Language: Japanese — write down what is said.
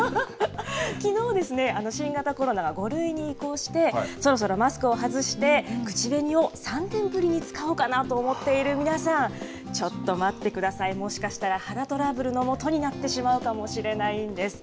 きのうですね、新型コロナが５類に移行して、そろそろマスクを外して、口紅を３年ぶりに使おうかなと思っている皆さん、ちょっと待ってください、もしかしたら肌トラブルのもとになってしまうかもしれないんです。